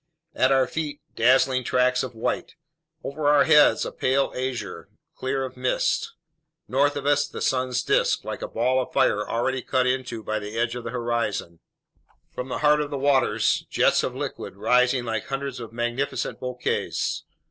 At our feet: dazzling tracts of white. Over our heads: a pale azure, clear of mists. North of us: the sun's disk, like a ball of fire already cut into by the edge of the horizon. From the heart of the waters: jets of liquid rising like hundreds of magnificent bouquets.